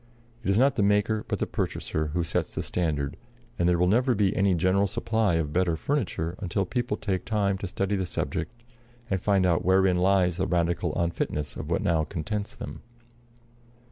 It is not the maker but the purchaser who sets the standard; and there will never be any general supply of better furniture until people take time to study the subject, and find out wherein lies the radical unfitness of what now contents them.